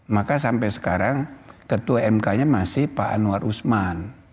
maka sampai sekarang ketua mk nya masih pak anwar usman